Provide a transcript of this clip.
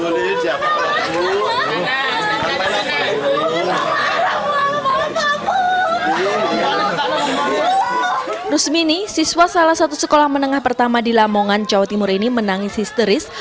lusmini siswa salah satu sekolah menengah pertama di lamongan jawa timur ini menangis histeris